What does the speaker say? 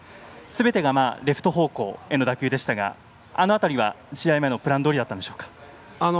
すべてがレフト方向への打球でしたがあの辺りは、試合前のプランどおりだったんでしょうか。